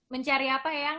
mencari apa eyang